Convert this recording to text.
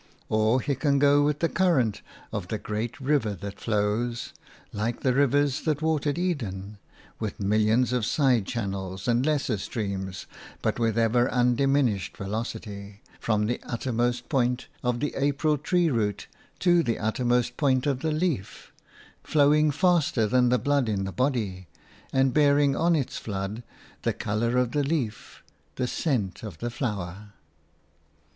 Or he can go with the current of the great river that flows – like the rivers that watered Eden – with millions of side channels and lesser streams but with ever undiminished velocity, from the uttermost point; of the April tree root to the uttermost point of the leaf, flowing faster than the blood in the body, and bearing on its flood the colour of the leaf the scent of the flower.